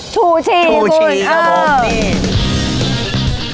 ชูชีคุณชูชีครับผม